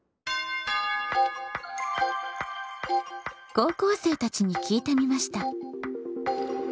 高校生たちに聞いてみました。